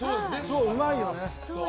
うまいよね。